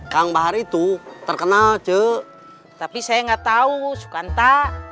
kang bahar itu terkenal cek tapi saya nggak tahu sukanta